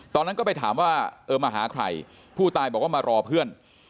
ตอนนั้นก็ไปถามว่าเออมาหาใครผู้ตายบอกว่ามารอเพื่อน